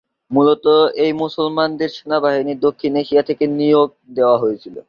মূলত, এই মুসলমানদের সেনাবাহিনী দক্ষিণ এশিয়া থেকে নিয়োগ দেওয়া হয়েছিল।